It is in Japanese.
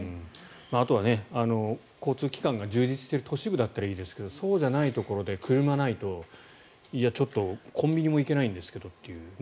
あとは交通機関が充実している都市部だったらいいですけどそうじゃないところで車がないといや、ちょっとコンビニも行けないんですけどという。